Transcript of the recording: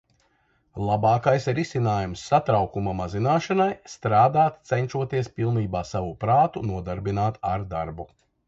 Labākais risinājums satraukuma mazināšanai -strādāt, cenšoties pilnībā savu prātu nodarbināt ar darbu.